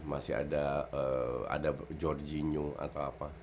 masih ada georgie nyu atau apa